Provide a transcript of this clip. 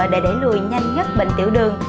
để để lùi nhanh nhất bệnh tiểu đường